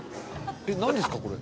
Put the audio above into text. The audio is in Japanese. えっ何ですかこれ？